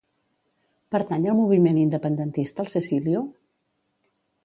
Pertany al moviment independentista el Cecilio?